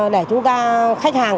để chúng ta khách hàng